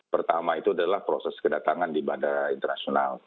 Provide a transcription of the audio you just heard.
pertama itu adalah proses kedatangan di bandara internasional